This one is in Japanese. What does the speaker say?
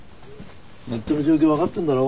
ネットの状況分かってんだろ？